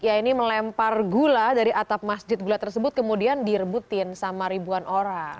ya ini melempar gula dari atap masjid gula tersebut kemudian direbutin sama ribuan orang